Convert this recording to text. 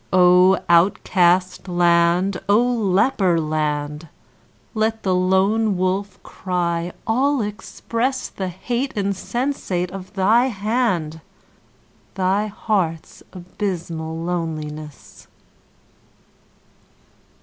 O outcast land! O leper land! Let the lone wolf cry all express The hate insensate of thy hand, Thy heart's abysmal loneliness.